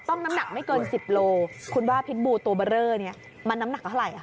น้ำหนักไม่เกิน๑๐โลคุณว่าพิษบูตัวเบอร์เรอเนี่ยมันน้ำหนักเท่าไหร่